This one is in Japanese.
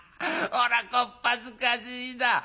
おらこっぱずかしいだ」。